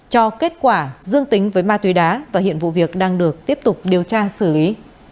cho kết quả dương tính với ma túy đá và hiện vụ việc đang được tiếp tục điều tra xử lý